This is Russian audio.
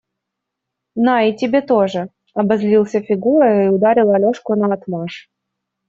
– На и тебе тоже! – обозлился Фигура и ударил Алешку наотмашь.